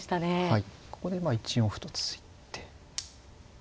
はいここでまあ１四歩と突いて。